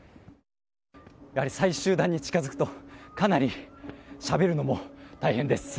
やはり最終段に近づくとかなりしゃべるのも大変です。